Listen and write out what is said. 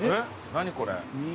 何これ。